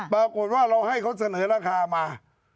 ปรากฏว่าเราให้เขาเสนอราคามา